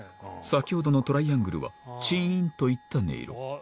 先ほどのトライアングルはチンといった音色